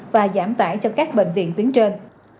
và giảm tải cho các bệnh viện tuyến trên